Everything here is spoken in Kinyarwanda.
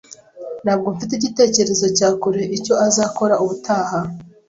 Ntabwo mfite igitekerezo cya kure icyo azakora ubutaha